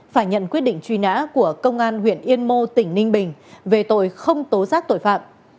phải nhận quyết định truy nã của công an huyện yên mô tỉnh ninh bình về tội không tố giác tội phạm